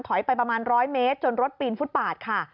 ไปประมาณ๑๐๐เมตรจนรถปีนฟุตปาดค่ะ